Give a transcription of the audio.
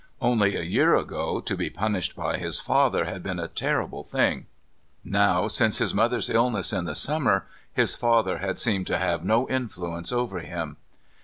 Only a year ago to be punished by his father had been a terrible thing. Now, since his mother's illness in the summer, his father had seemed to have no influence over him.